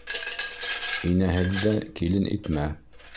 Инәһеҙҙе килен итмә.